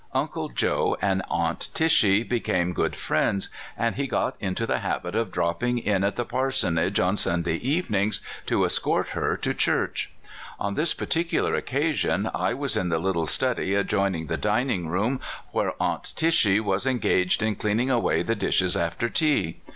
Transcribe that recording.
Uncle Joe and Aunt Tishy became good friends, and he got into the habit of dropping in at the parsonage on Sunday evenings to escort her to church. On this particular occasion I was in the little study adjoining the dining room where Aunt Tishy was engaged in cleaning away the dishes after tea.